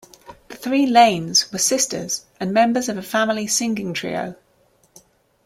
The three Lanes were sisters and members of a family singing trio.